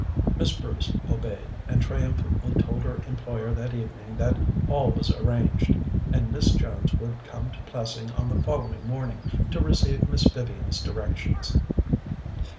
Miss Bruce obeyed, and triumphantly told her employer that evening that all was arranged, and Miss Jones would come to Plessing on the following morning to receive Miss Vivian's directions.